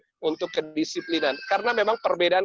dan kedisiplinan karena memang perbedaan